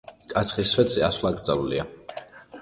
კაცხის სვეტზე ასვლა აკრძალულია.